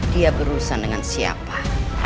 dia berusaha dengan siapa